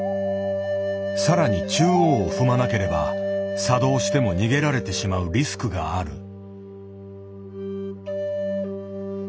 更に中央を踏まなければ作動しても逃げられてしまうリスクがある。